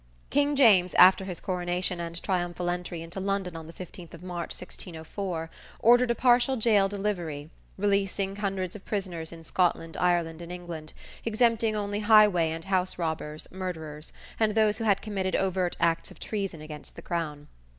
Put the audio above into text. King James after his coronation and triumphal entry into London on the 15th of March, 1604, ordered a partial jail delivery, releasing hundreds of prisoners in Scotland, Ireland and England, exempting only highway and house robbers, murderers, and those who had committed overt acts of treason against the crown.